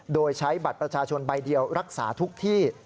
โดยใช้บัตรประชาชนใบเดียวรักษาทุกที่